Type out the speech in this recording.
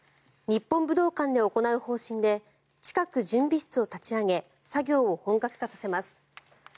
日本武道館で行う方針で近く準備室を立ち上げ作業を本格化させます。